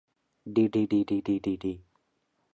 د ژمنې ماتول شرم دی.